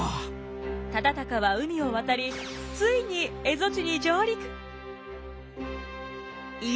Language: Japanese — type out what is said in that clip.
忠敬は海を渡りついに蝦夷地に上陸。